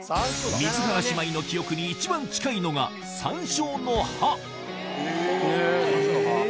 水原姉妹の記憶に一番近いのが山椒の葉へ山椒の葉。